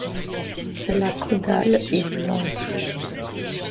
La caudale est blanche.